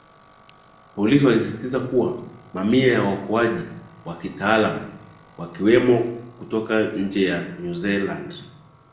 polisi wamesisitiza kuwa mamia ya waokowaji wa kitaalam wakiwemo kutoka nje ya new zealand